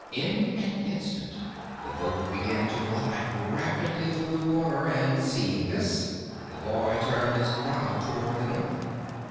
In an instant the boat began to glide rapidly through the water and, seeing this, the boy turned its prow toward the north.